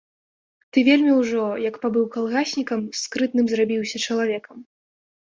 Ты вельмі ўжо, як пабыў калгаснікам, скрытным зрабіўся чалавекам.